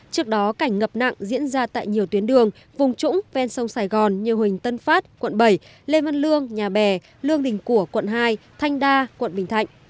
trước đó cảnh ngập nặng diễn ra tại nhiều tuyến đường vùng trũng ven sông sài gòn như huỳnh tân phát quận bảy lê văn lương nhà bè lương đình của quận hai thanh đa quận bình thạnh